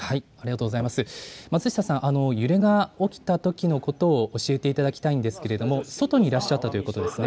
松下さん、揺れが起きたときのことを教えていただきたいんですが、外にいらっしゃったということですね。